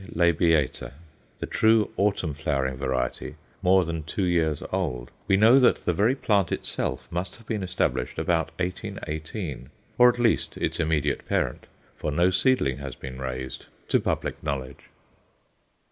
labiata_, the true, autumn flowering variety, more than two years old, we know that the very plant itself must have been established about 1818, or at least its immediate parent for no seedling has been raised to public knowledge.